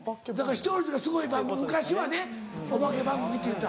視聴率がすごい番組昔はね「お化け番組」って言った。